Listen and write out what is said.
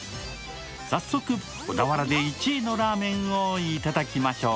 早速、小田原で１位のラーメンをいただきましょう。